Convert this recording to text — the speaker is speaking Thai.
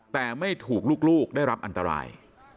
แต่ไม่ถูกลูกได้รับอันตราย